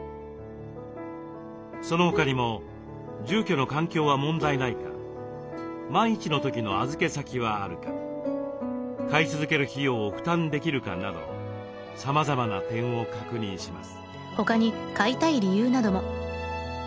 その他にも住居の環境は問題ないか万一の時の預け先はあるか飼い続ける費用を負担できるかなどさまざまな点を確認します。